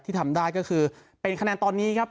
ทำได้ก็คือเป็นคะแนนตอนนี้ครับ